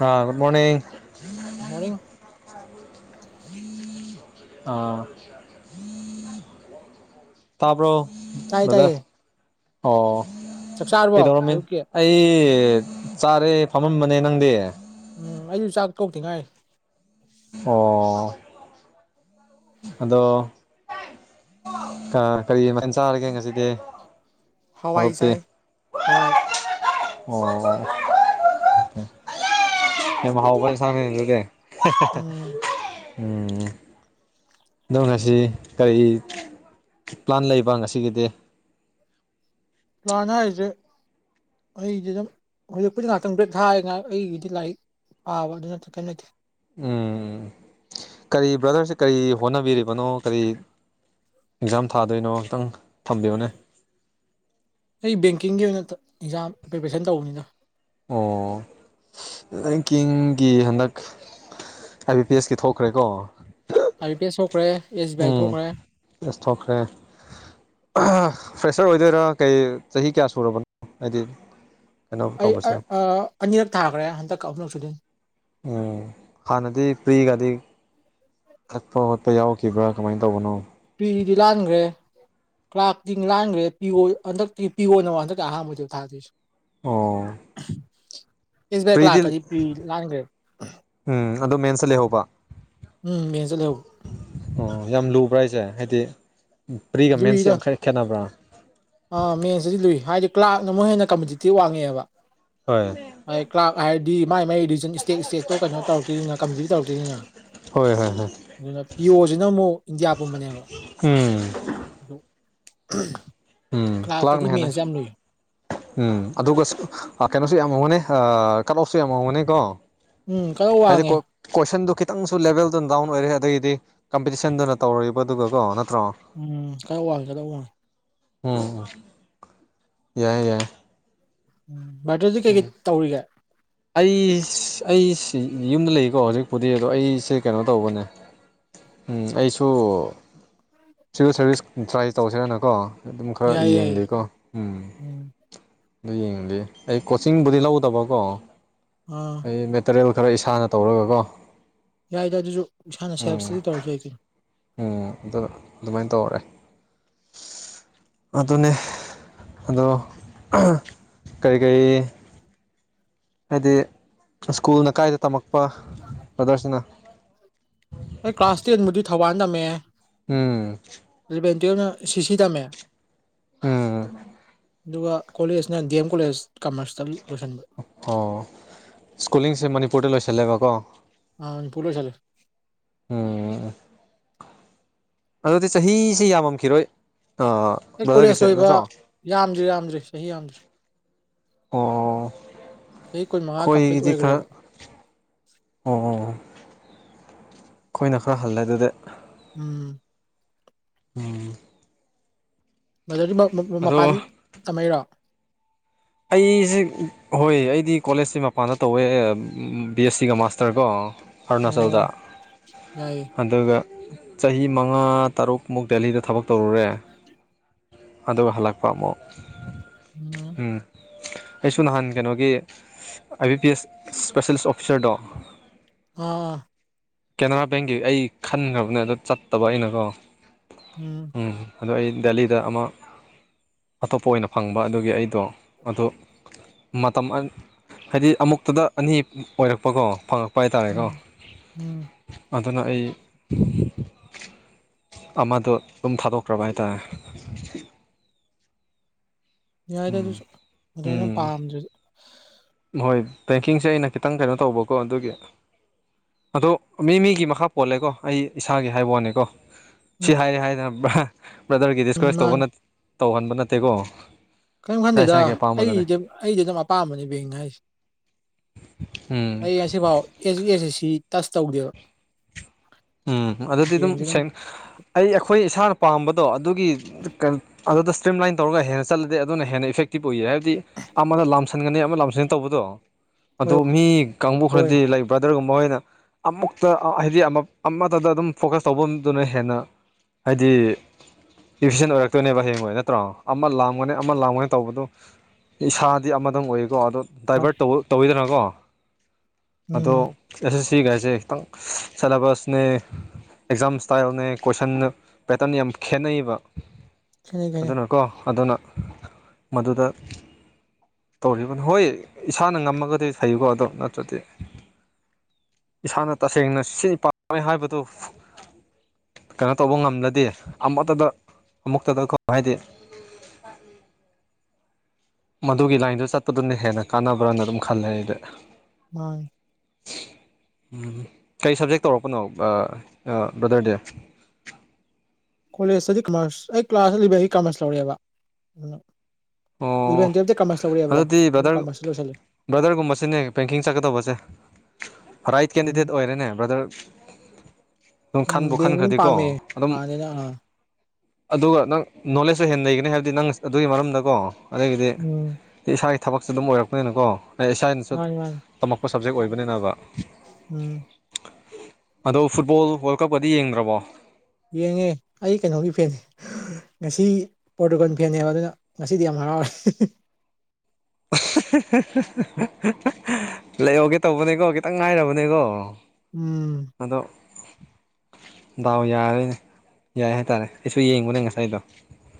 ꯍꯥꯥ ꯨꯠ ꯃꯣꯔꯅꯤꯡꯡ good morning ꯑ ꯇꯄꯣ ꯇꯥꯏꯌꯦ ꯇꯥꯏꯌꯦ ꯑꯣ ꯆꯥꯛ ꯆꯥꯔꯕꯣ ꯀꯩꯗꯧꯔꯃꯤ ꯑꯌꯨꯛꯀꯤ ꯑꯩ ꯆꯥꯔꯦ ꯐꯝꯃꯝꯕꯅꯦ ꯅꯪꯗꯤ ꯎꯝ ꯑꯩꯁꯨ ꯆꯥꯛ ꯇꯧ ꯊꯤꯉꯥꯏ ꯑꯣ ꯑꯗꯣ ꯑ ꯀꯔꯤꯃꯥꯏꯅ ꯆꯥꯔꯒꯦ ꯉꯁꯤꯗꯤ ꯍꯋꯥꯏ ꯃꯔꯨꯞꯇꯤ ꯆꯥꯏ ꯍꯋꯥꯏ ꯑꯣ ꯌꯥꯝ ꯍꯥꯎꯕ ꯁꯥꯥ ꯍꯖꯒꯦ ꯎꯝ ꯎꯝ ꯑꯪ ꯉꯁꯤ ꯀꯔꯤ ꯄ꯭ꯂꯥꯟ ꯂꯩꯕ ꯉꯁꯤꯒꯤꯗꯤ ꯄ꯭ꯂꯅ ꯍꯥꯏꯗꯤꯦ ꯑꯩꯗꯤ ꯑꯗꯨꯝ ꯍꯧꯖꯤꯛꯄꯨꯗꯤ ꯉꯥꯏꯍꯥꯛꯇꯪ ꯕ꯭ꯔꯦꯦꯛ ꯊꯥꯏ ꯉꯥꯏꯍꯥꯛ ꯑꯩꯒꯤꯗꯤ ꯂꯥꯏꯔꯤꯛ ꯑꯥ ꯑꯗꯨ ꯅꯠꯇ ꯀꯅ ꯎꯝ ꯀꯔꯤ ꯕ꯭ꯔꯗꯔꯁ ꯀꯔꯤ ꯍꯣꯠꯅꯕꯤꯔꯤꯕꯅꯣ ꯀꯔꯤ ꯑꯦꯛꯖꯥꯝ ꯊꯥꯗꯣꯏꯅꯣ ꯉꯇꯪ ꯊꯝꯕꯤꯌꯣꯅꯦ ꯑꯩ ꯕꯦꯡꯀꯤꯡꯒꯤ ꯑꯣꯏꯅ ꯑꯦꯛꯖꯥꯝ ꯄ꯭ꯔꯤꯄꯦꯔꯦꯁꯟ ꯇꯧꯕꯅꯤꯅ ꯑꯣ ꯔꯦꯡꯀꯤꯡꯒꯤ ꯍꯟꯗꯛ ꯑꯥꯏꯕꯤ ꯄꯤ ꯑꯦꯁꯀꯤ ꯊꯣꯛꯈ꯭ꯔꯦꯀꯣ ꯑꯕꯤ ꯄꯤꯁꯣꯛꯈ꯭ꯔꯦ ꯎꯝꯁꯣꯛꯈ꯭ꯔꯦ ꯐ꯭ꯔꯦꯁꯔ ꯑꯣꯏꯗꯣꯏꯔꯥ ꯀꯩ ꯆꯍꯤ ꯀꯌꯥ ꯁꯨꯔꯕꯅꯣ ꯍꯥꯏꯗꯤ ꯀꯩꯅꯣ ꯑꯩ ꯇꯧꯕꯁꯦ ꯑꯅꯤꯔꯛ ꯊꯥꯈ꯭ꯔꯦ ꯍꯟꯗꯛ ꯑꯍꯨꯝꯂꯛ ꯁꯨꯗꯤꯟ ꯎ ꯍꯅꯗꯤ ꯐ꯭ꯔꯤꯒꯒꯥꯗꯤ ꯀꯠꯄ ꯈꯣꯠꯄ ꯌꯥꯎꯔꯈꯤꯕ꯭ꯔꯥ ꯀꯃꯥꯏꯅ ꯇꯧꯕꯅꯣ ꯗꯤ ꯂꯥꯟꯈ꯭ꯔꯦ ꯀꯥꯛꯇꯤꯡ ꯂꯥꯡꯈ꯭ꯔꯦ ꯄꯤ ꯍꯟꯗꯛꯇꯤ ꯄꯤꯌꯣꯅꯕ ꯍꯟꯗꯛꯇꯤ ꯑꯍꯥꯟꯕꯗ ꯊꯥꯗꯣꯏꯁꯨ ꯑꯣ ꯏꯁ ꯀ ꯂꯥꯛ ꯄ꯭ꯔꯤꯗꯤ ꯀꯖꯤ ꯄ ꯂꯥꯡꯒꯦ ꯎꯝ ꯑꯗꯣ ꯃꯦꯟꯁ ꯂꯩꯍꯧꯕ ꯃꯦꯟꯁꯇ ꯂꯩꯍꯧꯕ ꯑꯣ ꯌꯥꯝ ꯂꯨ ꯄ꯭ꯔꯥꯏꯁꯁꯦ ꯍꯥꯏꯗꯤ ꯄ꯭ꯔꯤꯒ ꯃꯦꯟꯁꯦ ꯂꯨꯏꯗ ꯑꯃꯈꯛ ꯈꯦꯠꯅꯕ꯭ꯔꯥ ꯑꯥ ꯃꯦꯟꯁꯇꯗꯤ ꯂꯨꯏ ꯍꯥꯏꯗꯤ ꯀ꯭ꯂꯥꯛꯅ ꯑꯃꯨꯛ ꯍꯦꯟꯅ ꯀꯝꯄꯤꯇꯤꯇꯤꯞ ꯋꯥꯡꯉꯦꯕ ꯍ ꯀ꯭ꯂꯥꯕ ꯍꯥꯏꯔꯗꯤ ꯃꯥꯏ ꯃꯥꯏ ꯔꯤꯖꯟ ꯏꯁꯇꯦꯠ ꯏꯁꯇꯦꯠꯇꯣ ꯀꯩꯅꯣ ꯇꯧꯔꯛꯇꯣꯏꯅꯤꯅ ꯀꯝꯕꯤ ꯇꯧꯔꯛꯇꯣꯏꯅꯤꯅ ꯍꯣꯏ ꯍꯣꯏ ꯍꯣꯏ ꯑꯗꯨꯅ ꯄꯤꯌꯁꯤꯅ ꯑꯃꯨꯛ ꯏꯟꯗꯤꯌꯥ ꯄꯨꯝꯕꯅꯦꯕ ꯎꯝ ꯑꯗꯨ ꯎꯝ ꯀ꯭ꯂꯥꯔꯛꯇꯗꯤ ꯀ꯭ꯂꯒꯅ ꯍꯥꯏꯦꯅ ꯃꯦꯟꯁ ꯌꯥꯝ ꯂꯨꯏ ꯎꯝ ꯑꯗꯨꯒ ꯀꯩꯅꯣꯁꯨ ꯌꯥꯝ ꯉꯒꯅꯤ ꯀꯠꯣꯞꯁꯨ ꯌꯥꯝ ꯉꯝꯒꯅꯤ ꯀꯣ ꯎꯝ ꯀꯩꯅꯣ ꯋꯥꯡꯉꯦ ꯈꯤꯇꯪꯁꯨ ꯂꯦꯚꯦꯜꯗꯨꯅ ꯗꯥꯎꯟ ꯑꯣꯏꯔꯦ ꯑꯗꯒꯤꯗꯤ ꯀꯝꯄꯤꯇꯤꯁꯟꯗꯨꯅ ꯇꯧꯔꯕꯗꯨꯒꯀꯣ ꯎꯝ ꯀꯔ ꯋꯥꯡꯒꯦꯗ ꯋꯥꯉ ꯎꯝ ꯌꯥꯏ ꯌꯥꯏ ꯎꯝ ꯚꯏꯇꯔꯗꯤ ꯀꯩ ꯎꯝ ꯀꯩ ꯇꯧꯔꯤꯒꯦ ꯑꯩ ꯑꯩ ꯌꯨꯝꯗ ꯂꯩꯀꯣ ꯍꯧꯖꯤꯛꯄꯨꯗꯤ ꯑꯗꯣ ꯑꯩꯁꯦ ꯀꯩꯅꯣ ꯇꯧꯕꯅꯦ ꯑꯩꯁꯨ ꯁꯤꯚꯤꯜ ꯁꯥꯔꯚꯤꯁ ꯇ꯭ꯔꯥꯏ ꯇꯧꯁꯤꯔꯥꯅꯀꯣ ꯑꯗꯨꯝ ꯈꯔ ꯌꯥꯏ ꯌꯥꯏ ꯌꯦꯡꯦꯀꯣ ꯎꯝ ꯑꯗꯨ ꯌꯦꯡꯗꯤ ꯑꯩ ꯀꯣꯆꯤꯡꯕꯨꯗꯤ ꯂꯧꯗꯕꯀꯣ ꯑꯥ ꯑꯩ ꯃꯦꯇꯔꯤꯌꯦꯜ ꯈꯔ ꯏꯁꯥꯅ ꯇꯧꯔꯒꯀꯣ ꯌꯥꯏ ꯌꯥꯏ ꯑꯗꯨꯁꯨ ꯏꯁꯥꯅ ꯁꯦꯜꯞ ꯎꯝ ꯏꯁꯇꯗꯤ ꯇꯧꯔꯁꯨ ꯑꯩ ꯀꯩꯅꯣ ꯎꯝ ꯑ ꯑꯗꯨꯃꯥꯏꯅ ꯇꯧꯔꯦ [inaudible] ꯑꯗꯨꯅꯦ ꯑꯗꯣ ꯀꯔꯤ ꯀꯔꯤ ꯍꯥꯏꯗꯤ ꯁ꯭ꯀꯨꯜꯅ ꯀꯥꯏꯗ ꯇꯝꯃꯛꯄ ꯕ꯭ꯔꯗꯔꯁꯤꯅ ꯑꯩ ꯀ꯭ꯂꯥꯁ ꯇꯦꯟꯕꯨꯗꯤ ꯊꯧꯕꯥꯜ ꯇꯝꯃꯦꯑꯦ ꯎꯝ ꯅ ꯁꯁꯤꯤ ꯇꯥꯃꯦ ꯑꯝ ꯑꯗꯨꯒ ꯀꯣꯂꯦꯖꯅ ꯗꯤ ꯑꯦꯝ ꯀꯣꯂꯦꯖ ꯀꯃꯔꯁꯇ ꯂꯣꯏꯁꯤꯟꯕ ꯑꯣ ꯁ꯭ꯀꯨꯂꯤꯡꯁꯦ ꯃꯅꯤꯄꯨꯔꯗ ꯂꯣꯏꯁꯜꯂꯦꯕꯀꯣ ꯑꯥ ꯄꯨꯂꯁꯂꯦ ꯎꯝ ꯑꯗꯨꯗꯤ ꯆꯍꯤꯁꯤ ꯌꯥꯝꯃꯝꯈꯤꯔꯣꯏ ꯍꯦꯛ ꯀꯣꯂꯦꯖ ꯕ꯭ꯔꯗꯔꯒꯤꯁꯦ ꯂꯣꯏꯕ ꯅꯠꯇ꯭ꯔꯣ ꯌꯥꯝꯗ꯭ꯔꯤ ꯌꯥꯝꯗ꯭ꯔꯤ ꯆꯍꯤ ꯌꯥꯝꯗ꯭ꯔꯤ ꯑꯣ ꯆꯍꯤ ꯀꯨꯟ ꯃꯉꯥ ꯀꯝꯄ꯭ꯂꯤꯠ ꯈꯣꯏꯗꯤ ꯈꯔ ꯑꯣꯏꯈ꯭ꯔꯦꯕ ꯑꯣ ꯑꯩꯈꯣꯏꯅ ꯈꯔ ꯍꯜꯂꯦ ꯑꯗꯨꯗꯤ ꯎꯝ ꯎꯝ ꯃꯗꯨꯗꯤ ꯃꯄꯥꯟ ꯇꯝꯃꯩꯔꯣ ꯑꯩꯁꯦ ꯍꯣꯏ ꯑꯩꯗꯤ ꯀꯣꯂꯦꯖꯁꯦ ꯃꯄꯥꯟꯗ ꯇꯧꯋꯦ ꯕꯤ ꯑꯦꯁ ꯁꯤꯒ ꯃꯥꯁꯇꯔꯒꯣ ꯑꯔꯨꯅꯥ ꯆꯧꯗ ꯑꯣ ꯌꯥꯏꯌꯦ ꯑꯗꯨꯒ ꯆꯍꯤ ꯃꯉꯥ ꯇꯔꯨꯛꯃꯨꯛ ꯗꯦꯂꯤꯗ ꯊꯕꯛ ꯇꯧꯔꯨꯔꯦ ꯑꯗꯨꯒꯗ ꯍꯂꯛꯄ ꯑꯃꯨ ꯎꯝ ꯑꯩꯁꯨ ꯅꯍꯥꯟ ꯀꯩꯅꯣꯒꯤ ꯑꯥꯏ ꯕꯤ ꯄꯤ ꯑꯦꯁ ꯏꯁꯄꯦꯁꯦꯂꯤꯁ ꯑꯣꯐꯤꯁꯔꯗꯣ ꯑ ꯀꯦꯅꯔꯥ ꯕꯦꯡꯒꯤ ꯑꯩ ꯈꯟꯈ꯭ꯔꯕꯅꯦ ꯑꯗꯨ ꯆꯠꯇꯕ ꯑꯩꯅꯀꯣ ꯎꯝ ꯑꯗꯣ ꯑꯩ ꯗꯦꯂꯤꯗ ꯑꯃ ꯑꯇꯣꯞꯄ ꯑꯣꯏꯅ ꯐꯪꯕ ꯑꯗꯨꯒꯤ ꯑꯩꯗꯣ ꯑꯗꯨ ꯃꯇꯝ ꯍꯥꯏꯗꯤ ꯑꯃꯨꯛꯇꯗ ꯑꯅꯤ ꯑꯣꯏꯔꯛꯄꯀꯣ ꯐꯪꯉꯛꯄ ꯎꯝ ꯎꯝ ꯑꯗꯨꯗꯅ ꯑꯩ ꯑꯃꯗ ꯑꯗꯨꯝ ꯊꯥꯗꯣꯛꯈ꯭ꯔꯕ ꯍꯥꯏꯇꯥꯔꯦ ꯌꯥꯏꯗ ꯎꯝ ꯑꯗꯨꯁꯨ ꯑꯗꯨ ꯑꯩꯅ ꯎꯝ ꯄꯥꯝꯗꯨ ꯍꯣꯏ ꯕꯦꯡꯀꯤꯡꯁꯦ ꯑꯩꯅ ꯈꯤꯇꯪ ꯀꯩꯅꯣ ꯇꯧꯕꯀꯣ ꯑꯗꯨꯒꯤ ꯑꯗꯣ ꯃꯤ ꯃꯤꯒꯤ ꯃꯈꯥ ꯄꯣꯜꯂꯦꯀꯣ ꯑꯩ ꯏꯁꯥꯒꯤ ꯍꯥꯏꯕ ꯋꯥꯅꯦꯀꯣ ꯎꯝ ꯁꯤ ꯍꯥꯏꯔꯦ ꯍꯥꯏꯗꯅ ꯕ꯭ꯔꯗꯔꯒꯤ ꯎꯝ ꯗꯤꯁꯀꯔꯦꯁ ꯇꯧꯕ ꯃꯥꯅꯤ ꯇꯧꯍꯟꯕ ꯅꯠꯇꯦꯀꯣ ꯀꯔꯤꯝ ꯏꯁꯥ ꯈꯟꯗꯦꯗ ꯏꯁꯥꯒꯤ ꯑꯄꯥꯝꯕꯗꯨꯅꯦ ꯑꯩꯗ ꯑꯩꯗꯤ ꯑꯗꯨꯝ ꯑꯄꯥꯝꯕꯅꯦ ꯕꯦꯡꯅ ꯍꯥꯏꯁꯦ ꯎꯝ ꯑꯩ ꯉꯁꯤꯐꯥꯎ ꯑꯦ ꯑꯦꯁ ꯑꯦ ꯁꯤ ꯇꯁ ꯇꯧꯗꯦꯕ ꯎꯝ ꯑꯗꯨꯗꯗꯤ ꯑꯗꯨꯝ ꯑꯩ ꯑꯩꯈꯣꯏ ꯏꯁꯥꯅ ꯄꯥꯝꯕꯗꯣ ꯑꯗꯨꯒꯤ ꯑꯗꯨꯗ ꯁ꯭ꯇ꯭ꯔꯤꯝ ꯂꯥꯏꯟ ꯇꯧꯔꯒ ꯍꯦꯟꯅ ꯆꯠꯂꯗꯤꯦ ꯑꯗꯨꯅ ꯍꯦꯟꯅ ꯏꯐꯦꯛ ꯇꯤꯞ ꯑꯣꯏꯌꯦ ꯍꯥꯏꯕꯗꯤ ꯑꯃꯅ ꯂꯥꯝꯁꯟꯒꯅꯤ ꯑꯃ ꯂꯥꯝꯁꯟꯒꯅꯤ ꯇꯧꯕꯗꯣ ꯑꯗꯨ ꯑꯣꯏ ꯃꯤ ꯀꯥꯡꯕꯨ ꯑꯣꯏ ꯈꯔꯗꯤ ꯂꯩ ꯕ꯭ꯔꯥꯗꯔꯒꯨꯝꯕ ꯍꯣꯏꯅ ꯑꯃꯨꯛꯇ ꯍꯥꯏꯗꯤ ꯑꯃꯨꯛ ꯑꯃ ꯑꯃꯠꯇꯗ ꯑꯗꯨꯝ ꯐꯣꯀꯁ ꯇꯧꯕꯗꯨꯅ ꯍꯦꯟꯅ ꯍꯥꯏꯗꯤ ꯏꯐꯤꯁꯟ ꯑꯣꯏꯔꯛꯇꯣꯏꯅꯦꯕ ꯍꯌꯦꯉ ꯅꯠꯇ꯭ꯔꯣ ꯑꯃ ꯂꯥꯡꯝꯒꯅꯤ ꯑꯃ ꯂꯥꯡꯝꯒꯅꯤ ꯇꯧꯕꯗꯨ ꯏꯁꯥꯗꯤ ꯑꯃꯗꯪ ꯑꯣꯏꯌꯦꯀꯣ ꯑꯗꯣ ꯗ꯭ꯔꯥꯏꯚꯔ ꯇ ꯇꯧꯋꯤꯗꯅꯀꯣ ꯑꯗꯣ ꯎꯝ ꯑꯦꯁ ꯑꯦꯁ ꯁꯤꯛꯁꯦ ꯑꯦꯗꯝ ꯁꯂꯦꯕꯁ ꯅꯦ ꯑꯦꯛꯖꯥꯝ ꯏꯁꯇꯥꯏꯜꯅꯦ ꯀꯣꯏꯁꯟꯅ ꯄꯦꯇꯔꯟ ꯌꯥꯝ ꯈꯦꯠꯅꯩꯌꯦꯕ ꯈꯦꯠꯅꯩ ꯈꯦꯠꯅꯩ ꯑꯗꯨꯅꯀꯣ ꯑꯗꯨꯅ ꯃꯗꯨꯗ ꯇꯧꯔꯤꯕꯅꯤ ꯍꯣꯏ ꯏꯁꯥꯅ ꯉꯝꯃꯒꯗꯤ ꯐꯩꯌꯨꯀꯣ ꯑꯗꯣ ꯅꯠꯇ꯭ꯔꯗꯤ ꯏꯁꯥꯅ ꯇꯁꯦꯡꯅ ꯁꯤ ꯄꯥꯝꯃꯦ ꯍꯥꯏꯕꯗꯨ ꯀꯩꯅꯣ ꯇꯧꯕ ꯉꯝꯗꯗꯤ ꯑꯃꯛꯇꯗ ꯑꯃꯨꯛꯇꯗ ꯍꯥꯏꯗꯤ [unintelligible] ꯃꯗꯨꯒꯤ ꯂꯥꯏꯟꯗꯨ ꯆꯠꯄꯗꯨꯅ ꯍꯦꯟꯅ ꯀꯥꯟꯅꯕ꯭ꯔꯅ ꯑꯗꯨꯝ ꯈꯜꯂꯦ ꯑꯩꯗ ꯍ ꯀꯔꯤ ꯁꯕꯖꯦꯛ ꯇꯧꯔꯛꯄꯅꯣ ꯕ꯭ꯔꯗꯔꯗꯦ ꯀꯣꯂꯦꯖꯇꯗꯤ ꯀꯃꯔꯁ ꯑꯩ ꯀ꯭ꯂꯥꯁꯇ ꯂꯩꯕ ꯑꯩ ꯀꯥꯃꯔꯁ ꯂꯧꯔꯑꯦꯕ ꯑꯣ ꯂꯚꯦꯟ ꯇꯨꯋ ꯀꯃꯔꯁ ꯂꯧꯔꯦꯕꯣ ꯑꯗꯨꯗꯤ ꯕ꯭ꯔꯗꯔ ꯀꯃꯥꯔꯦ ꯕ꯭ꯔꯗꯔꯒꯨꯝꯕꯁꯤꯅꯦ ꯕꯦꯡꯀꯤꯡ ꯆꯠꯀꯗꯧꯕꯁꯦ ꯔꯥꯏꯠ ꯎꯝ ꯀꯦꯟꯗꯤꯗꯦꯠ ꯑꯣꯏꯔꯦꯅꯦ ꯕ꯭ꯔꯗꯔ ꯑꯗꯨꯝ ꯎꯝ ꯈꯟꯕ ꯕꯦꯡꯁꯦ ꯑꯗꯨꯝ ꯈꯟꯈ꯭ꯔꯗꯤꯀꯣ ꯄꯥꯝꯃꯦ ꯑꯗꯨꯝ ꯍꯥꯟꯅꯗꯩꯅ ꯑꯥ ꯑꯗꯨꯒ ꯅꯪ ꯅꯣꯂꯦꯖꯁ ꯍꯦꯟꯅ ꯂꯩꯒꯅꯤ ꯍꯥꯏꯕꯗꯤ ꯅꯪ ꯑꯗꯨꯒꯤ ꯃꯔꯝꯗꯀꯣ ꯑꯗꯒꯤꯗꯤ ꯎꯝ ꯏꯁꯥꯒꯤ ꯊꯕꯛꯁꯨ ꯑꯗꯨꯝ ꯑꯣꯏꯔꯛꯄꯅꯤꯅꯀꯣ ꯑꯩ ꯏꯁꯥꯅꯁꯨ ꯃꯥꯅꯤ ꯃꯥꯅꯤ ꯇꯝꯃꯛ ꯣ ꯁꯞꯖꯦꯛ ꯑꯣꯏꯕꯅꯤꯅꯕ ꯎꯝ ꯑꯗꯣ ꯐꯨꯠꯕꯣꯜ ꯋꯥꯔꯜ ꯀꯞꯇꯗꯤ ꯌꯦꯡꯗ꯭ꯔꯕꯣ ꯌꯦꯡꯉꯦ ꯑꯩ ꯀꯩꯅꯣꯒꯤ ꯐꯦꯟꯅꯤ ꯉꯁꯤ ꯄꯣꯔꯇꯨꯒꯥꯟ ꯐꯦꯟꯅꯦꯕ ꯑꯗꯨꯅ ꯉꯁꯤꯗꯤ ꯌꯥꯝ ꯍꯔꯥꯎꯔꯦ ꯂꯩꯍꯧꯒꯦ ꯇꯧꯕꯅꯦꯀꯣ ꯈꯤꯇꯪ ꯉꯥꯏꯔꯕꯅꯦꯀꯣ ꯎꯝ ꯑꯗꯣ ꯗꯥꯎ ꯌꯥꯔꯣꯏꯅꯦ ꯌꯥꯏ ꯍꯥꯏꯇꯥꯔꯦ ꯑꯩꯁꯨ ꯌꯦꯡꯕꯨꯅꯦ ꯉꯁꯥꯏꯗꯣ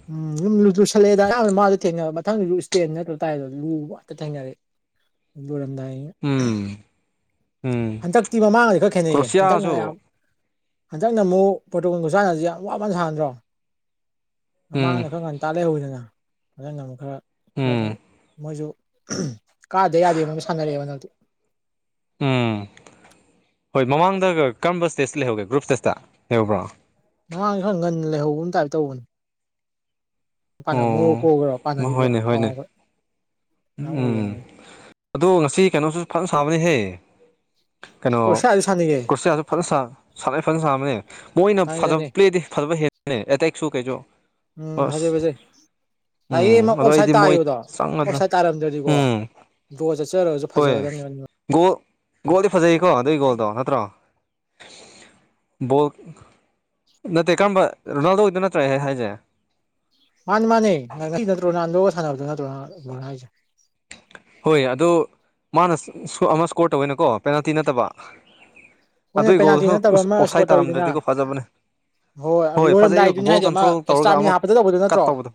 ꯎꯝ ꯌꯨꯝ ꯂꯨ ꯆꯨꯁꯜꯂꯛꯑꯦꯗ ꯑꯌꯥꯝꯅ ꯃꯥꯣ ꯊꯦꯡ ꯃꯊꯪꯗꯁꯨ ꯏꯁꯇꯦꯟ ꯅꯠꯇ꯭ꯔ ꯇꯥꯏꯗꯣ ꯂꯨꯕ ꯉꯥꯛꯇ ꯊꯦꯡꯅꯔꯦ ꯎ ꯂꯣꯏꯔꯝꯗꯥꯏ ꯎꯝ ꯎꯝ ꯍꯟꯗꯛꯇꯤ ꯃꯃꯥꯡꯗꯗꯤ ꯈꯔ ꯈꯦꯠꯅꯩꯌꯦ ꯍꯟꯗꯛꯅ ꯀ꯭ꯔꯣꯁꯤꯌꯥꯁꯨ ꯌꯥꯝ ꯍꯟꯗꯛꯅ ꯑꯃꯨꯛ ꯄꯣꯇꯣꯒꯜ ꯈꯨꯁꯥꯟꯅꯁꯤ ꯌꯥꯝ ꯋꯥꯕꯅ ꯁꯥꯥꯟꯗ꯭ꯔꯣ ꯎꯝ ꯃꯃꯥꯡꯗ ꯈꯔ ꯉꯅ ꯇꯥꯜꯂꯍꯧꯋꯤꯗꯅ ꯃꯪ ꯑꯃꯨꯛ ꯈꯔ ꯈꯔ ꯎꯝ ꯑꯗꯨꯝ ꯃꯣꯏꯁꯨ ꯀꯥꯗꯦ ꯌꯥꯗꯦ ꯃꯨꯛꯁꯨ ꯁꯥꯟꯅꯔꯦꯕ ꯅꯗꯤ ꯎꯝ ꯍꯣꯏ ꯃꯃꯥꯡꯗ ꯀꯔꯝꯕ ꯏꯁꯇꯦꯁꯇ ꯂꯩꯍꯧꯒꯦ ꯒ꯭ꯔꯨꯞ ꯏꯁꯇꯦꯁꯇ ꯂꯩꯍꯧꯕ꯭ꯔꯣ ꯃꯃꯥꯡꯁꯤꯦ ꯈꯔ ꯉꯟꯅ ꯂꯩꯍꯧꯕ ꯑꯃ ꯇꯥꯏꯞ ꯇꯧꯕꯅꯦ ꯃꯣꯔꯣꯛ ꯀꯣꯛꯈꯔꯣ ꯑꯣ ꯄꯥꯟꯅꯈꯤꯕꯗꯣ ꯍꯣꯏꯅꯦ ꯍꯣꯏꯅꯦ ꯀꯥꯎꯈ ꯎꯝ ꯑꯣꯏꯒꯅꯤꯅꯦ ꯑꯗꯣ ꯉꯁꯤ ꯀꯩꯅꯣꯁꯨ ꯐꯖꯅ ꯁꯥꯕꯅꯤꯍꯦ ꯀꯁꯦ ꯑꯗꯨ ꯁ ꯀꯨꯔꯁꯤꯌꯥꯁꯨ ꯐꯖꯅ ꯁꯥꯟꯅꯩ ꯐꯖꯅ ꯁꯥꯕꯅꯦ ꯃꯣꯏꯅ ꯁꯥꯟꯅꯩ ꯐꯖꯕ ꯁꯥꯟꯅꯩ ꯄ꯭ꯂꯦꯗꯤ ꯐꯕ ꯍꯦ ꯅ ꯑ ꯇꯏ ꯁꯨ ꯀꯩꯖꯣ ꯎꯝ ꯍꯧꯖꯩ ꯖꯦ ꯉꯁꯥꯏꯒꯤ ꯑꯃ ꯎꯝ ꯑꯗꯣ ꯑꯣꯞꯁꯥꯏꯠ ꯑꯩꯗꯤ ꯃꯣꯏ ꯇꯥꯈꯤꯕꯕꯗꯣ ꯆꯪꯒꯗ꯭ꯔꯥ ꯑꯣꯞꯁꯥꯏꯠ ꯇꯥꯔꯝꯗ꯭ꯔꯗꯤꯀꯣ ꯎꯝ ꯕꯣ ꯆꯠꯆꯔꯒꯁꯨ ꯍꯣꯏ ꯐꯖꯒꯗꯕꯅꯦ ꯒꯣꯜ ꯒꯣꯜꯗꯤ ꯐꯖꯩꯌꯦꯀꯣ ꯑꯗꯨꯏ ꯒꯣꯜꯗꯣ ꯅꯠꯇ꯭ꯔꯣ [inaudible] ꯕꯣꯜ ꯅꯠꯇꯦ ꯀꯔꯝꯕ ꯔꯣꯅꯥꯜꯗꯣꯒꯤꯗ ꯅꯠꯇ꯭ꯔꯦ ꯍꯥꯏꯁꯦ ꯃꯥꯅꯤ ꯃꯥꯅꯤ ꯉꯁꯤ ꯅꯠꯇ꯭ꯔꯣ ꯅꯍꯥꯟꯟ ꯂꯣꯛꯒ ꯁꯥꯟꯅꯕꯗꯨꯣ ꯅꯠꯇ꯭ꯔꯣꯍ ꯍꯥꯏꯁꯦ ꯍꯣꯏ ꯑꯗꯨꯣ ꯃꯥꯅ ꯑꯃ ꯏꯁꯀꯣꯔ ꯇꯧꯋꯦꯅꯀꯣ ꯄꯦꯅꯥꯜꯇꯤ ꯅꯠꯇꯕ ꯍꯣꯏꯅꯦ ꯑꯗꯨꯏ ꯄꯦꯅꯥꯜꯇꯤ ꯒꯣꯜꯗꯨꯁꯨ ꯅꯠꯇꯕ ꯑꯃ ꯁꯀꯣꯔ ꯑꯣꯞꯁꯥꯏꯠ ꯇꯧꯋꯤꯗꯅ ꯇꯥꯔꯝꯗ꯭ꯔꯗꯤꯀꯣ ꯐꯖꯕꯅꯦ ꯍꯣꯏ ꯐꯖꯩ ꯂꯣꯏꯔꯝꯗꯥꯏꯗꯨꯅꯤ ꯕꯣꯜ ꯍꯥꯏꯗꯤ ꯑꯃ ꯀꯟꯇ꯭ꯔꯣꯜ ꯇꯧꯔꯒ ꯑꯦꯛꯁꯇ꯭ꯔꯥꯃꯤꯅ ꯑꯃ ꯍꯥꯞꯄꯇ ꯇꯧꯕꯗ ꯀꯠ ꯅꯠꯇ꯭ꯔꯣ ꯇꯧꯕꯗꯣ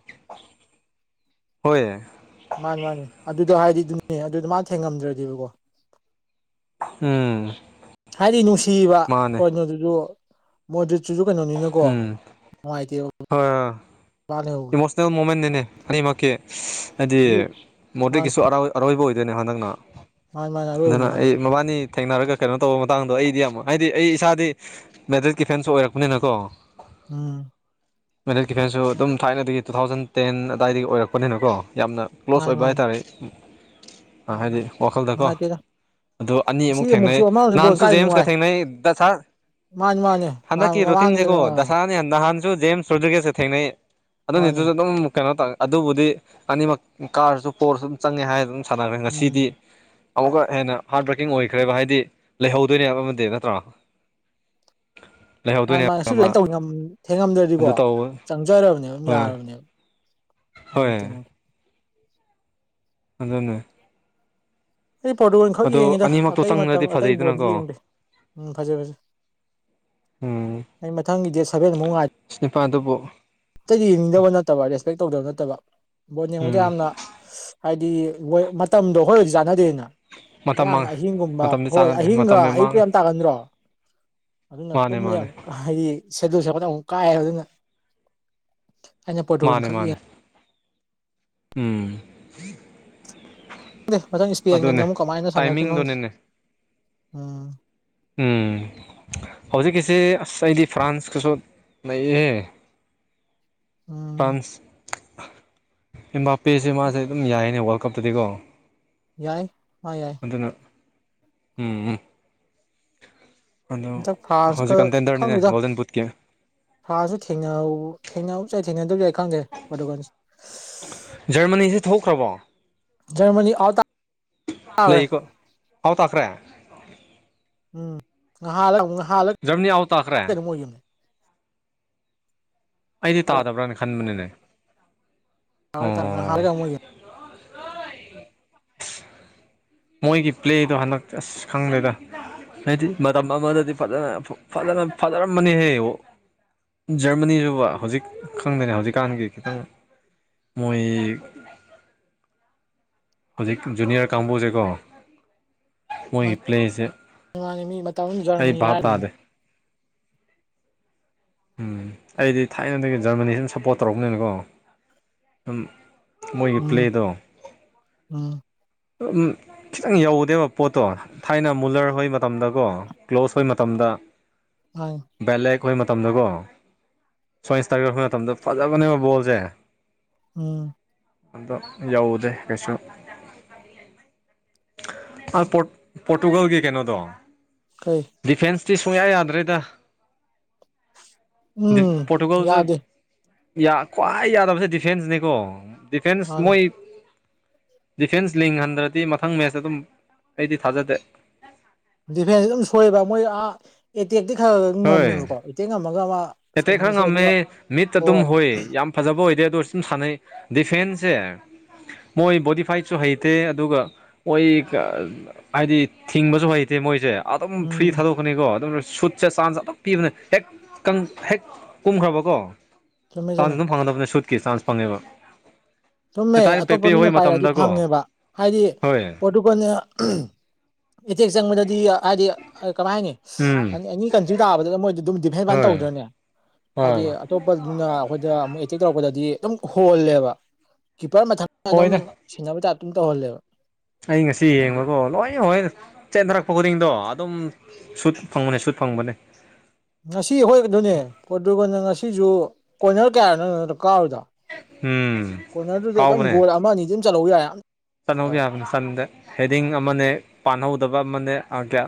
ꯍꯣꯏ ꯃꯥꯅꯤ ꯃꯥꯅꯤ ꯑꯗꯨꯗꯣ ꯍꯥꯏꯔꯤꯗꯨ ꯑꯦ ꯑꯗꯨꯗ ꯃꯥ ꯊꯦꯡꯉꯝꯗ꯭ꯔꯗꯤꯦꯕꯀꯣ ꯎꯝ ꯍꯥꯏꯗꯤ ꯅꯨꯡꯁꯤꯕ ꯃꯥꯅꯦ ꯀꯣꯅꯣꯗꯨꯗ ꯃꯣꯏꯗꯨ ꯁꯤꯨꯁꯨ ꯀꯩꯅꯣꯅꯤꯅꯀꯣ ꯎꯝ ꯅꯨꯡꯉꯥꯏꯇꯦ ꯍꯣꯏ ꯏꯃꯣꯁꯅꯦꯜ ꯃꯣꯃꯦꯟ ꯅꯦꯅꯦ ꯍꯅꯤ ꯃꯥꯥꯛꯀꯤ ꯍꯥꯏꯗꯤ ꯃꯗ ꯑ ꯃꯥꯅꯤ ꯑꯔꯣꯏꯕ ꯑꯣꯏ ꯑꯗꯨꯅꯦ ꯍꯟꯗꯛꯅ ꯃꯥꯅꯤ ꯃꯥꯅꯤ ꯑꯔꯣꯏꯕꯅꯤ ꯑꯗꯨꯅ ꯃꯥꯁꯨ ꯑꯩ ꯃꯕꯥꯅꯤ ꯊꯦꯡꯅꯔꯒ ꯀꯩꯅꯣ ꯇꯧꯕ ꯃꯇꯥꯡꯗꯣ ꯑꯩꯗꯤ ꯑꯃꯛ ꯍꯥꯏꯗꯤ ꯑꯩ ꯏꯁꯥꯗꯤ ꯃꯦꯗ꯭ꯔꯤꯠꯀꯤ ꯐꯦꯟꯁꯨ ꯑꯣꯏꯔꯛꯄꯅꯤꯅꯀꯣ ꯎꯝ ꯃꯦꯗꯦꯜ ꯗꯤꯐꯦꯟꯁꯨ ꯑꯗꯨꯝ ꯊꯥꯏꯅꯗꯒꯤ ꯇꯨ ꯊꯥꯎꯖꯟ ꯇꯦꯟ ꯑꯗꯨꯋꯥꯏꯗꯒꯤ ꯑꯣꯏꯔꯛꯄꯅꯤꯅ ꯀꯣ ꯌꯥꯝꯅ ꯀ꯭ꯂꯣꯁ ꯃꯥꯅꯤ ꯑꯣꯏꯕ ꯃꯥꯅꯤ ꯍꯥꯏꯇꯥꯔꯦ ꯍꯥꯏꯗꯤ ꯋꯥꯈꯜꯗꯀꯣ ꯅꯨꯡꯉꯥꯏꯇꯦꯗ ꯑ ꯉꯁꯤ ꯑꯅꯤꯃꯨꯛ ꯊꯦꯡꯅꯩ ꯑꯃꯨꯛꯁꯨ ꯑꯃꯁꯨ ꯕꯣꯜ ꯅꯍꯥꯟꯁꯨ ꯀꯥꯏ ꯖꯦꯝꯁꯀ ꯅꯨꯡꯉꯥꯏ ꯊꯦꯡꯅꯩ ꯗ ꯁꯥꯔ ꯃꯥꯅꯤ ꯃꯥꯅꯤ ꯅꯍꯥꯟ ꯍꯟꯗꯛꯀꯤ ꯔꯨꯇꯤꯟꯁꯤꯒꯣ ꯃꯃꯥꯡꯒꯤꯗꯅ ꯑꯥ ꯗꯁꯍꯥꯟ ꯅꯍꯥꯟ ꯨ ꯖꯦꯝ ꯁꯨꯗ꯭ꯔꯤꯒꯦꯁꯦ ꯊꯦꯡꯅꯩ ꯃꯥꯅꯤ ꯑꯗꯨꯅꯤꯠꯇꯨꯁꯨ ꯑꯗꯨꯝ ꯀꯩꯅꯣ ꯇꯧ ꯑꯗꯨꯕꯨꯗꯤ ꯑꯅꯤꯃꯛ ꯀꯥꯔꯁꯨ ꯄꯣꯔꯁꯨ ꯆꯪꯉꯦ ꯍꯥꯏꯔ ꯑꯗꯨꯝ ꯁꯥꯟꯅꯈ꯭ꯔꯦ ꯎꯝ ꯉꯁꯤꯗꯤ ꯑꯃꯨꯛꯀ ꯍꯦꯟꯅ ꯍꯥꯔꯠ ꯕ꯭ꯔꯔꯀꯤꯡ ꯑꯣꯏꯈ꯭ꯔꯦꯕ ꯍꯥꯏꯗꯤ ꯂꯩꯍꯧꯗꯣꯏꯅꯦꯕ ꯑꯃꯗꯤꯗ ꯅꯠꯇ꯭ꯔꯥ ꯃꯥꯅꯦ ꯃꯥꯅꯦ ꯁꯤ ꯑꯗꯨꯨꯃꯥꯏꯅ ꯇꯧ ꯊꯦꯡꯉꯝꯗ꯭ꯔꯗꯤꯀꯣ ꯑꯗꯨ ꯇꯧꯕ ꯆꯪꯖꯔꯕꯅꯦꯕ ꯑꯗꯨꯝ ꯍꯣꯏ ꯌꯥꯔꯕꯅꯦꯕ ꯍꯣꯏ ꯍ ꯇꯃ ꯑꯗꯨꯗꯅ ꯑꯩ ꯄ꯭ꯔꯣꯇ ꯑꯣꯏꯅꯈꯛ ꯌꯦꯡꯉꯤꯗ ꯑꯅꯤꯃꯛꯇꯣ ꯑꯇꯩ ꯃꯇꯝ ꯆꯪꯉꯗꯤ ꯑꯇꯩ ꯕꯣꯟ ꯐꯖꯩꯗꯅꯀꯣ ꯌꯦꯡꯗꯦ ꯎꯝ ꯐꯖꯦ ꯐꯖꯦ ꯎꯝ ꯑꯩ ꯃꯊꯪꯒꯤ ꯗꯦꯠ ꯁꯚꯦꯟꯃꯨꯛ ꯉꯥꯏ ꯑꯁ ꯅꯤꯄꯥꯗꯨꯕꯨ ꯑꯇꯩꯗꯤ ꯌꯦꯡꯅꯤꯡꯗꯕ ꯅꯠꯇꯕ ꯔꯦꯁꯄꯦꯛ ꯇꯧꯗꯕ ꯅꯠꯇꯕ ꯕꯣꯠ ꯌꯦꯡꯕꯗ ꯎꯝ ꯌꯥꯝꯅ ꯍꯥꯏꯗꯤ ꯍꯣꯏ ꯃꯇꯝꯗꯣ ꯍꯣꯏꯒꯗꯤ ꯆꯥꯟꯅꯗꯦꯅ ꯃꯇꯝ ꯌꯥꯝꯌꯥꯝꯅ ꯃꯥꯡꯉꯦ ꯑꯍꯤꯡꯒꯨꯝꯕ ꯃꯇꯝꯗꯤ ꯍꯣꯏ ꯆꯥꯟꯅꯗ꯭ꯔꯦ ꯑꯍꯤꯡꯒ ꯃꯇꯝ ꯑꯌꯨꯛꯀ ꯃꯥꯡꯉꯦ ꯌꯥꯝ ꯇꯥꯒꯟꯗ꯭ꯔꯣ ꯑꯗꯨꯅ ꯃꯥꯅꯦ ꯇꯨꯝꯕꯗ ꯌꯥꯝ ꯃꯥꯅꯦ ꯍꯥꯏꯗꯤ ꯁꯦꯗꯨꯜꯁꯦꯄꯗ ꯌꯥꯝꯨꯛ ꯀꯥꯏꯌꯦꯦꯕ ꯑꯗꯨꯅ ꯑꯩꯅ ꯃꯥꯅꯦ ꯄꯣꯇꯣꯟꯈꯛ ꯃꯥꯅꯦ ꯌꯦꯉ ꯎꯝ ꯃꯊꯪ ꯏꯁꯄꯦꯟꯒꯅ ꯑꯗꯨꯅꯦ ꯑꯃꯨꯛ ꯀꯃꯥꯏꯅ ꯁꯥꯟꯅꯔꯛꯀꯅꯣꯪꯁꯦ ꯇꯥꯏꯃꯤꯡꯗꯨꯅꯤꯅꯦ ꯎꯝ ꯎꯝ ꯍꯧꯖꯤꯛꯀꯤꯁꯤ ꯑꯁ ꯑꯩꯗꯤ ꯐ꯭ꯔꯥꯟꯁꯀꯁꯨ ꯅꯑꯍ ꯎꯝ ꯐ꯭ꯔꯥꯟꯁ ꯏꯝꯕꯥꯄꯦꯁꯦ ꯃꯥꯁꯦ ꯑꯗꯨꯝ ꯌꯥꯏꯅꯦ ꯋꯥꯔꯜ ꯀꯞꯇꯗꯤꯀꯣ ꯌꯥꯏ ꯍ ꯌꯥꯏ ꯑꯗꯨꯅ ꯎꯝ ꯑꯗꯣ ꯍꯟꯇꯛ ꯍꯧꯖꯤꯛ ꯀꯟꯇꯦꯟꯗꯔꯅꯤꯅꯦ ꯒꯣꯜꯗꯟ ꯕꯨꯠꯀꯤ ꯁꯥꯥꯁꯨ ꯊꯦꯡ ꯊꯦꯡꯅ ꯆꯦ ꯊꯦꯡꯅꯗꯕꯁꯨꯏ ꯈꯪꯗꯦ ꯀꯣ ꯖꯔꯃꯅꯤꯁꯤꯦ ꯊꯣꯛꯈ꯭ꯔꯕꯣ ꯔꯃꯅꯤ ꯑꯇꯥ ꯂꯩꯀꯣ ꯍꯥꯎ ꯇꯈ꯭ꯔꯦ ꯎꯝ ꯉꯍꯥꯗ ꯑꯃꯨꯛ ꯉ ꯝꯅꯤ ꯑꯋꯥ ꯇꯈ꯭ꯔꯦ ꯑꯩꯗꯤ ꯇꯥꯔꯦ ꯇꯥꯗꯕ꯭ꯔꯅ ꯈꯟꯕꯅꯤꯅꯦ ꯔ ꯇꯥꯔ ꯑꯣ ꯍꯥꯔꯒꯃꯒ ꯃꯣꯏꯒꯤ ꯄ꯭ꯂꯦꯗꯣ ꯍꯟꯗꯛ ꯑꯁ ꯈꯪꯗꯦꯗ ꯍꯥꯏꯗꯤ ꯃꯇꯝ ꯑꯃꯗꯗꯤ ꯐꯖꯅ ꯐꯖꯅ ꯐꯖꯔꯃꯅꯤꯍꯌꯦ ꯖꯔꯃꯅꯤꯁꯤꯕ ꯍꯧꯖꯤꯛ ꯈꯪꯗꯅꯤ ꯍꯧꯖꯤꯛꯀꯥꯟꯒꯤ ꯈꯤꯇꯪ ꯃꯣꯏ [inaudible] ꯍꯧꯖꯤꯛ ꯖꯨꯅꯤꯌꯔ ꯀꯝꯕꯨꯁꯦꯀꯣ ꯃꯣꯏ ꯃꯥꯅꯤ ꯔꯤꯄ꯭ꯂꯦꯁꯦ ꯃꯤ ꯖꯔꯃꯅꯤ ꯍꯥꯏꯔꯅꯤ ꯎꯝ ꯑꯩꯗꯤ ꯊꯥꯏꯅꯗꯒꯤ ꯖꯔꯃꯅꯤꯁꯤ ꯑꯗꯨ ꯁꯞꯄꯣꯔꯠ ꯇꯧꯔꯛꯄꯅꯤꯅꯀꯣ ꯑꯗꯨꯨꯝ ꯃꯣꯏꯒꯤ ꯎꯝ ꯄ꯭ꯂꯦꯗ ꯎꯝ ꯝ ꯈꯤꯇꯪ ꯌꯧꯗꯦꯕ ꯄꯣꯠꯇꯣ ꯊꯥꯏꯅ ꯃꯨꯂꯔ ꯍꯕ ꯃꯇꯝꯗꯀꯣ ꯀ꯭ꯂꯣꯁ ꯍꯣꯏ ꯃꯇꯝꯗ ꯍꯟꯗ ꯍꯣꯏ ꯑꯩꯈꯣꯏ ꯃꯇꯝꯗꯀꯣ ꯁꯋꯥꯁꯇꯔꯒ ꯑꯩꯈꯣꯏ ꯃꯇꯝꯗ ꯐꯖꯕꯅꯦꯕ ꯕꯣꯜꯁꯦ ꯎꯝ ꯑꯝꯗ ꯌꯎꯗꯦ ꯀꯩꯁꯨ ꯄꯣꯔꯇꯨꯒꯜꯒꯤ ꯀꯩꯅꯣꯗꯣꯡ ꯀꯩ ꯗꯤꯐꯦꯟꯁꯇꯤ ꯁꯨꯡꯌꯥ ꯌꯥꯗ꯭ꯔꯦꯗ ꯎꯝ ꯄꯣꯇꯨꯒꯣꯜꯗ ꯌꯥꯗꯦ ꯈ꯭ꯋꯥꯏ ꯌꯥꯗꯕꯁꯦ ꯗꯤꯐꯦꯟꯁꯅꯤꯀꯣ ꯗꯤꯐꯦꯟꯁ ꯃꯥꯅꯤ ꯃꯣꯏ ꯗꯤꯐꯦꯟꯁ ꯂꯤꯡꯍꯟꯗ꯭ꯔꯗꯤ ꯃꯊꯪ ꯃꯦꯆ ꯑꯗꯨꯝ ꯑꯩꯗꯤ ꯊꯥꯖꯗꯦ ꯗꯤꯐꯦꯟꯁ ꯑꯗꯨꯝ ꯁꯣꯏꯑꯦꯕ ꯃꯣꯏ ꯑꯥ ꯑꯦꯇꯦꯛꯇꯤ ꯈꯔ ꯈꯔ ꯉꯝꯃꯦꯕꯀꯣ ꯑꯦꯇꯦꯛ ꯉꯝꯃꯒ ꯃꯥ ꯀꯇ ꯈꯔ ꯉꯝꯃꯦ ꯃꯤꯠꯇ ꯑꯗꯨꯝ ꯍꯣꯏꯏ ꯌꯥꯝ ꯐꯖꯕ ꯕꯣ ꯑꯣꯏꯗꯤꯦ ꯗꯣꯣꯔꯁꯤꯝ ꯁꯅ ꯗꯤꯐꯦꯟꯁꯦ ꯃꯣꯏ ꯕꯣꯗꯤ ꯐꯥꯏꯠꯁꯨ ꯍꯩꯇꯦ ꯑꯗꯨꯒ ꯃꯣꯏ ꯍꯥꯏꯗꯤ ꯊꯤꯡꯕꯁꯨ ꯍꯩꯇꯦ ꯃꯣꯏꯁꯦ ꯑꯗꯨꯝ ꯐ꯭ꯔꯤ ꯎꯝ ꯊꯥꯗꯣꯛꯀꯅꯤꯀꯣ ꯑꯗꯨꯝ ꯁꯨꯠꯁꯦ ꯆꯥꯟꯁ ꯑꯗꯨꯝ ꯄꯤꯕꯅꯦ ꯍꯦꯛ ꯍꯦꯛ ꯀꯨꯝꯈ꯭ꯔꯕꯀꯣ ꯆꯨꯝꯃꯦ ꯆꯥꯟꯁ ꯆꯨꯝꯃꯦ ꯑꯗꯨꯝ ꯐꯪꯒꯗꯕꯅꯤ ꯁꯨꯠꯀꯤ ꯆꯥꯟꯁ ꯐꯪꯉꯦꯕ ꯆꯨꯝꯃꯦ ꯊꯥꯏꯅ ꯑꯇꯣꯞꯄ ꯄꯦꯄꯦ ꯍꯣꯏ ꯃꯤꯅ ꯄꯥꯏꯔꯛꯑꯗꯤ ꯃꯇꯝꯗꯀꯣ ꯐꯪꯉꯦꯕ ꯍꯥꯏꯗꯤ ꯍꯣꯏ ꯄꯣꯔꯇꯨꯒꯜꯅ ꯏꯇꯦꯛ ꯆꯪꯕꯗꯗꯤ ꯍꯥꯏꯗꯤ ꯀꯃꯥꯏꯅꯤ ꯎꯝ ꯑꯦꯅꯤ ꯀꯟꯇ꯭ꯔꯤ ꯇꯥꯕꯗ ꯃꯣꯏꯗꯤ ꯑꯗꯨꯝꯗꯤ ꯚꯦꯟꯕꯥꯥꯏꯅ ꯍꯣꯏ ꯇꯧꯗꯣꯏꯅꯦ ꯍꯣꯏ ꯍꯥꯏꯗꯤ ꯑꯇꯣꯞꯄꯗꯨꯅ ꯑꯩꯈꯣꯏꯗ ꯑꯃꯨꯛ ꯑꯦꯇꯦꯛ ꯇꯧꯔꯛꯄꯗꯗꯤ ꯑꯗꯨꯝ ꯍꯣꯜꯂꯦꯕ ꯀꯤꯞꯄꯔ ꯃꯊꯪ ꯑꯗꯨꯝ ꯍꯣꯏꯗ ꯁꯤꯦꯟꯅꯕ ꯆꯥꯞꯇꯝ ꯇꯧꯍꯜꯂꯦꯕ ꯑꯩ ꯉꯁꯤ ꯍꯥꯏꯗꯤ ꯌꯦꯡꯕꯀꯣ ꯂꯣꯏ ꯍꯣꯏ ꯆꯦꯟꯊꯔꯛꯄ ꯈꯨꯗꯤꯡꯗꯣ ꯑꯗꯨꯝ ꯁꯨꯠ ꯐꯪꯕꯅꯦ ꯁꯨꯠ ꯐꯪꯕꯅꯦ ꯉꯁꯤ ꯍꯈꯣꯏꯒꯗꯨꯅꯦ ꯀꯣ ꯑꯗꯨꯒꯅ ꯉꯁꯤꯁꯨ ꯀꯣꯏꯅꯔ ꯀꯌꯥꯅꯣꯅꯣ ꯀꯀꯥꯔꯗ ꯎꯝ ꯀꯣꯏꯅꯔꯗꯨꯗ ꯑꯗꯨꯝ ꯀꯥꯎꯕꯅꯦ ꯒꯣꯜ ꯑꯃ ꯑꯅꯤ ꯑꯗꯨꯝ ꯆꯠꯍꯧ ꯌꯥꯏ ꯆꯠꯍꯧꯕ ꯌꯥꯕꯅꯤꯟꯗ ꯍꯦꯗꯤꯡ ꯑꯃꯅꯦ ꯄꯥꯟꯍꯧꯗꯕ ꯑꯃꯅꯦ ꯑꯌꯥ